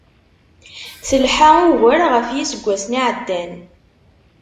Telḥa ugar ɣef yiseggasen iεeddan.